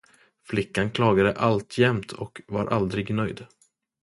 Flickan klagade alltjämt och var aldrig nöjd.